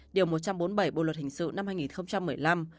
điều một trăm bốn mươi bảy bộ luật hình sự năm hai nghìn một mươi năm